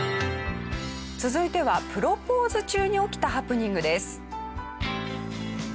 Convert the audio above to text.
続いてはプロポーズ中に起きたハプニングです。